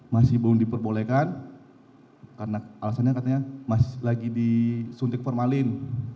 masih belum diperbolehkan karena alasannya katanya masih lagi disuntik formalin